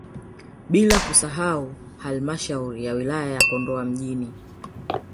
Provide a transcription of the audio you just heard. Bila kusahau halmashauri ya wilaya ya Kondoa mjini